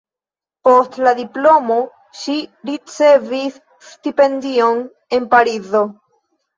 Post la diplomo ŝi ricevis stipendion en Parizo.